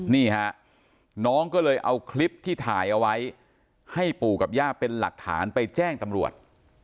นี่ฮะน้องก็เลยเอาคลิปที่ถ่ายเอาไว้ให้ปู่กับย่าเป็นหลักฐานไปแจ้งตำรวจ